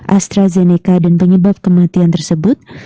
astrazeneca dan penyebab kematian tersebut